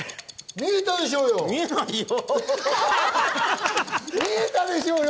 見えたでしょうよ。